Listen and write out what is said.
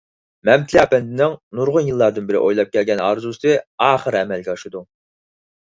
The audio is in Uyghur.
مەمتىلى ئەپەندىنىڭ نۇرغۇن يىللاردىن بېرى ئويلاپ كەلگەن ئارزۇسى ئاخىر ئەمەلگە ئاشىدۇ.